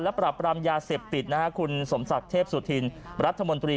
และปรับปรามยาเสพติดนะฮะคุณสมศักดิ์เทพสุธินรัฐมนตรี